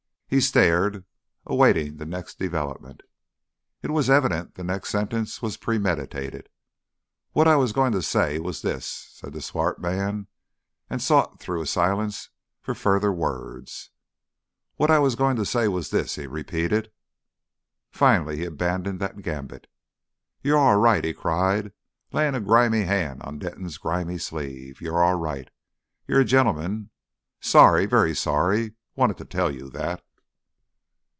He stared, awaiting the next development. It was evident the next sentence was premeditated. "Whad I was going to say was this," said the swart man, and sought through a silence for further words. "Whad I was going to say was this," he repeated. Finally he abandoned that gambit. "You're aw right," he cried, laying a grimy hand on Denton's grimy sleeve. "You're aw right. You're a ge'man. Sorry very sorry. Wanted to tell you that."